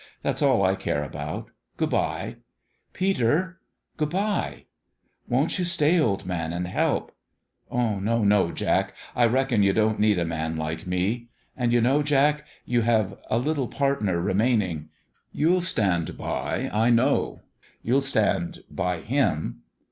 That's all I care about. Good bye !"" Peter " "Good bye!" " Won't you stay, old man, and help ?"" No, no, Jack ! I reckon you don't need a man like me. And you know, Jack, you have a little partner remaining. You'll stand by, I know. You'll stand by him."